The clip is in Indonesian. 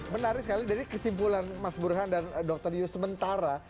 menarik sekali dari kesimpulan mas burhan dan dr rio sementara